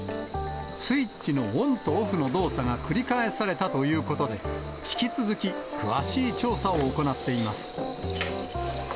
スイッチのオンとオフの動作が繰り返されたということで、引き続き詳しい調査を行っています。